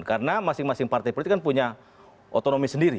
karena masing masing partai politik kan punya otonomi sendiri